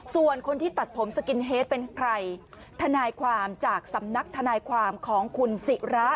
ส่วนคนที่ตัดผมสกินเฮดเป็นใครทนายความจากสำนักทนายความของคุณศิระ